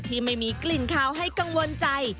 ที่ไม่มีกลิ่นขาวให้กังวลใจ